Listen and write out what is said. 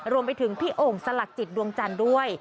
รวมไปถึงพี่โอ่งสลักจิตดวงจันทร์ด้วย